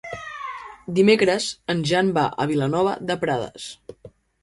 Dimecres en Jan va a Vilanova de Prades.